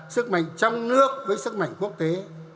sức mạnh trong nước với sức mạnh quốc tế